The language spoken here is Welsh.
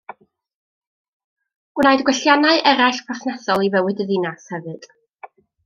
Gwnaed gwelliannau eraill perthnasol i fywyd y ddinas hefyd.